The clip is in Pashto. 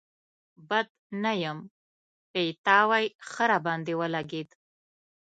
بد نه يم، پيتاوی ښه راباندې ولګېد.